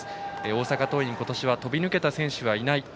大阪桐蔭今年は飛び抜けた選手はいない。